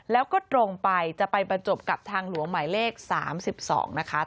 แล้วก็ตรงไปจะไปบรรจบกับทางหลวงหมายเลข๓๒นะคะ